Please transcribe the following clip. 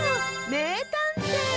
めいたんてい！